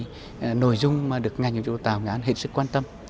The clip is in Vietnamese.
nghệ an đã có những nội dung mà được ngành hợp dụng đô tàu nghệ an hết sức quan tâm